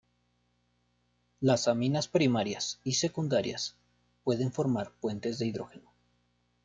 Las aminas primarias y secundarias pueden formar puentes de hidrógeno.